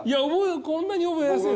こんなに覚えやすい。